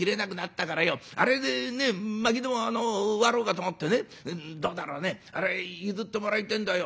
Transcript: あれでねえまきでも割ろうかと思ってねどうだろうねあれ譲ってもらいてえんだよ。